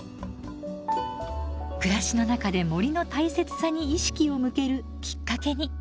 暮らしの中で森の大切さに意識を向けるきっかけに。